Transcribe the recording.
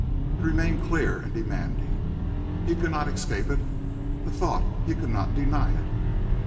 It remained clear and demanding. He could not escape it the thought; he could not deny it.